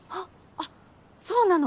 あっそうなの。